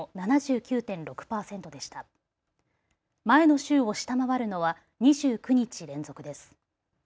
前の週を下回るのは２９日連続です。